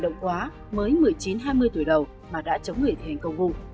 động quá mới một mươi chín hai mươi tuổi đầu mà đã chống người thi hành công vụ